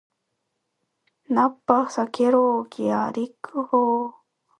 ナッパ避けろー！ギャリック砲ー！